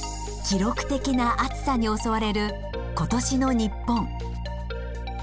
記録的な暑さに襲われる今年の日本。